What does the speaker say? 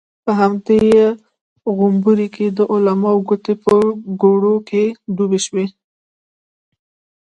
په همدې غومبر کې د علماوو ګوتې په غوړو کې ډوبې شوې.